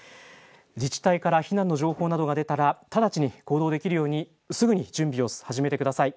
自治体から避難の情報などが出たら直ちに行動できるようにすぐに準備を始めてください。